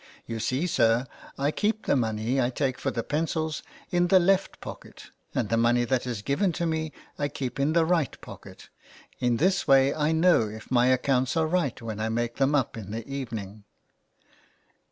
You see, sir, I keep the money I take for the pencils in the left pocket, and the money that is given to me I keep in the right pocket. In this way I know if my accounts are right when I make them up in the evening.''